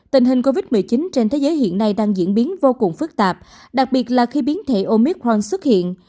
trường covid một mươi chín trên thế giới hiện nay đang diễn biến vô cùng phức tạp đặc biệt là khi biến thể omicron xuất hiện